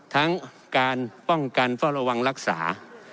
ทั้งการป้องกันเฝ้าระวังรักษา